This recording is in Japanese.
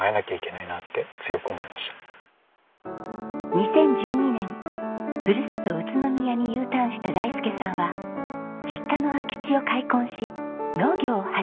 ２０１２年ふるさと宇都宮にＵターンした大介さんは実家の空き地を開墾し農業を始めました。